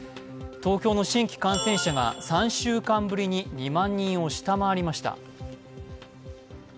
東京の新規感染者が３週間ぶりに２万人を下回りました。